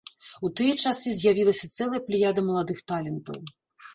У тыя часы з'явілася цэлая плеяда маладых талентаў.